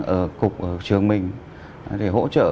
ở trường mình để hỗ trợ